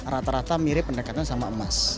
rata rata mirip pendekatannya sama emas